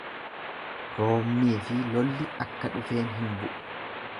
Roobniifi lolli akka dhufeen hin bu'u.